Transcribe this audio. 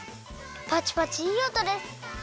パチパチいいおとです。